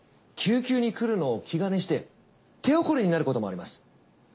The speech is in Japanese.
救急に来るのを気兼ねして手遅れになることもあります。